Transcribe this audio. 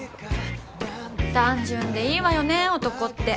単純でいいわよね男って。